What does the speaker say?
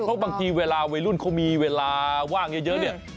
เพราะบางทีเวลาวัยรุ่นเขามีเวลาว่างเยอะเนี่ย